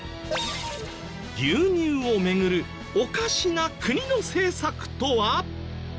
牛乳をめぐるおかしな国の政策とは？